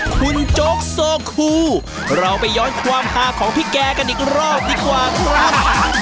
คุณโจ๊กโซคูเราไปย้อนความหาของพี่แกกันอีกรอบดีกว่าครับ